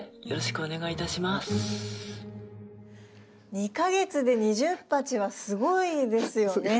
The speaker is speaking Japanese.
２か月で２０鉢はすごいですよね？